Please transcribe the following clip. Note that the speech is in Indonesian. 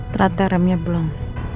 ternyata remnya belum